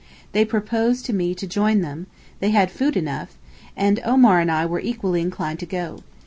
They proposed to me to join them, 'they had food enough,' and Omar and I were equally inclined to go.